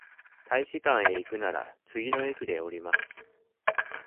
大使館へ行くなら、次の駅で降ります。